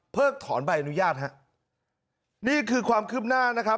ถอนใบอนุญาตฮะนี่คือความคืบหน้านะครับ